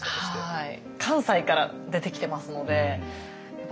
はい。